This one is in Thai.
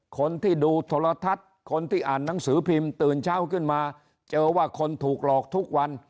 คนที่ดูโทรทัศน์คนที่อ่านหนังสือพิมพ์ตื่นเช้าขึ้นมาเจอว่าคนถูกหลอกทุกวัน